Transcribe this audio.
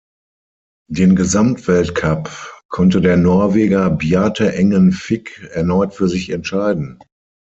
Den Gesamtweltcup konnte der Norweger Bjarte Engen Vik erneut für sich entscheiden.